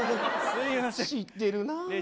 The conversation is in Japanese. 知ってるな。